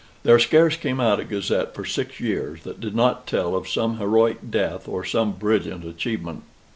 There scarce came out a Gazette for six years that did not tell of some heroic death or some brilliant achievement.